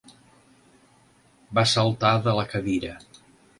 Va saltar de la cadira.